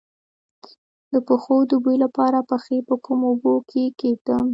د پښو د بوی لپاره پښې په کومو اوبو کې کیږدم؟